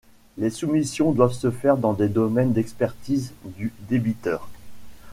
Les soumissions doivent se faire dans des domaines d’expertise du débiteur.